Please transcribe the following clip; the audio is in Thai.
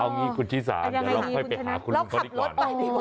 เอางี้คุณชิสาเดี๋ยวเราค่อยไปหาคุณลุงเขาดีกว่า